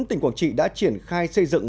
tỉnh quảng trị đã triển khai xây dựng